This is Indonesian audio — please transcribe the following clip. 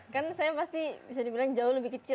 kan saya pasti bisa dibilang jauh lebih kecil